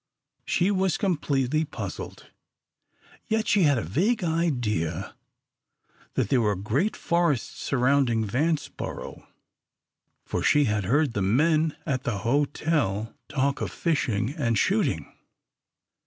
She was completely puzzled, yet she had a vague idea that there were great forests surrounding Vanceboro, for she had heard the men at the hotel talk of fishing and shooting.